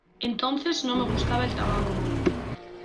Entonces no me gustaba el tabaco.